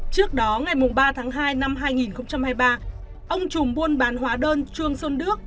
trước đó ngày ba tháng hai năm hai nghìn hai mươi ba ông chùm buôn bán hóa đơn truong xuân đước